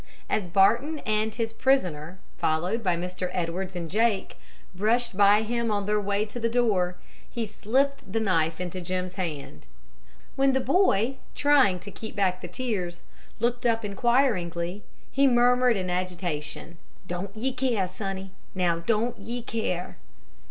As Barton and his prisoner, followed by Mr. Edwards and Jake, brushed by him on their way to the door, he slipped the knife into Jim's hand. When the boy, trying to keep back the tears, looked up inquiringly, he murmured, in agitation: "Don't ye care, sonny! Now don't ye care!"